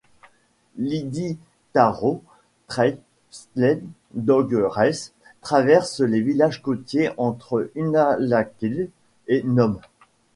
L'Iditarod Trail Sled Dog Race traverse les villages côtiers entre Unalakleet et Nome.